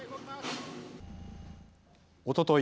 おととい